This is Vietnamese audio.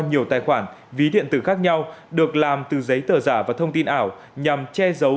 nhiều tài khoản ví điện tử khác nhau được làm từ giấy tờ giả và thông tin ảo nhằm che giấu